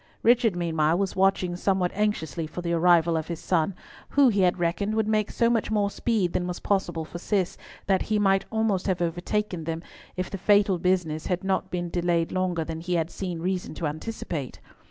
Richard meanwhile was watching somewhat anxiously for the arrival of his son, who, he had reckoned, would make so much more speed than was possible for Cis, that he might have almost overtaken them, if the fatal business had not been delayed longer than he had seen reason to anticipate.